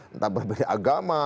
entah berbeda agama